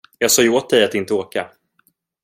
Jag sa ju åt dig att inte åka.